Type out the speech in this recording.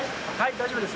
大丈夫ですよ。